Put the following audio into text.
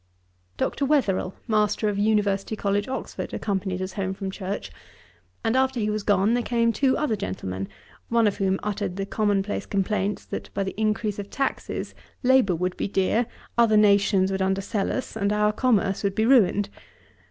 Dr. Wetherell, Master of University College, Oxford, accompanied us home from church; and after he was gone, there came two other gentlemen, one of whom uttered the common place complaints, that by the increase of taxes, labour would be dear, other nations would undersell us, and our commerce would be ruined.